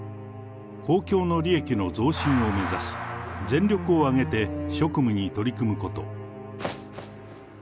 公共の利益の増進を目指し、全力を挙げて職務に取り組むこと。